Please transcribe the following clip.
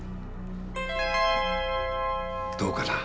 どうかな？